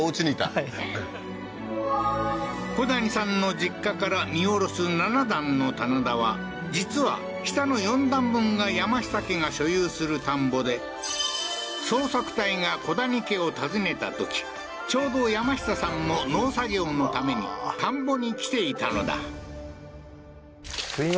はい古谷さんの実家から見下ろす７段の棚田は実は下の４段分が山下家が所有する田んぼで捜索隊が古谷家を訪ねたときちょうど山下さんも農作業のために田んぼに来ていたのだはい